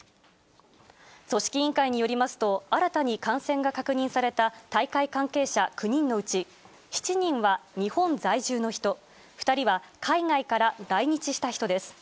組織委員会によりますと、新たに感染が確認された大会関係者９人のうち、７人は日本在住の人、２人は海外から来日した人です。